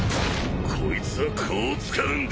こいつはこう使うんだ！